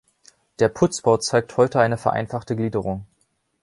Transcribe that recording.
Der Putzbau zeigt heute eine vereinfachte Gliederung.